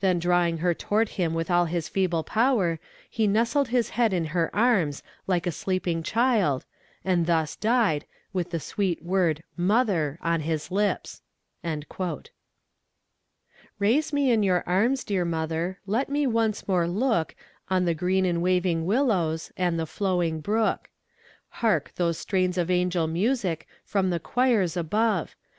Then drawing her toward him with all his feeble power, he nestled his head in her arms, like a sleeping child, and thus died, with the sweet word, 'Mother,' on his lips." Raise me in your arms, dear mother, Let me once more look On the green and waving willows, And the flowing brook; Hark, those strains of angel music From the choirs above!